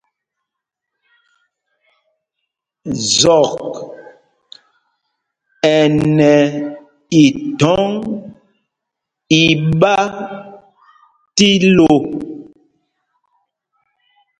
Zɔk ɛ nɛ ithɔ̌ŋ iɓá tí lô.